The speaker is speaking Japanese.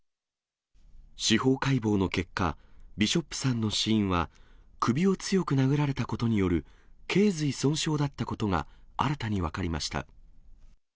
司法解剖の結果、ビショップさんの死因は、首を強く殴られたことによるけい髄損傷だったことが、新たに分かりました。